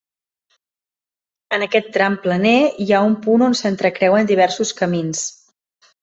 En aquest tram planer hi ha un punt on s'entrecreuen diversos camins.